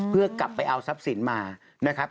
เพื่อกลับไปเอาทรัพย์สินมานะครับ